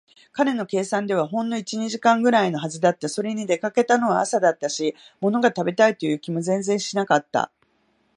彼の計算ではほんの一、二時間ぐらいのはずだった。それに、出かけたのは朝だったし、ものが食べたいという気も全然しなかった。